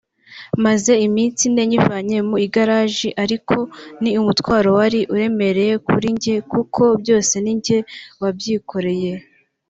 Maze iminsi ine nyivanye mu igaraji ariko ni umutwaro wari uremereye kuri njye kuko byose ni njye wabyikoreye